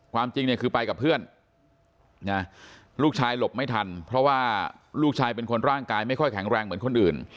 จริงเนี่ยคือไปกับเพื่อนลูกชายหลบไม่ทันเพราะว่าลูกชายเป็นคนร่างกายไม่ค่อยแข็งแรงเหมือนคนอื่น